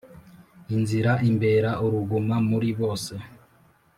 inzira imbera uruguma muri bose